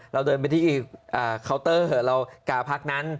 เราเดินไปที่เคาน์เตอร์เหอะเรากาพักนั้น